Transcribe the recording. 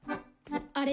あれ？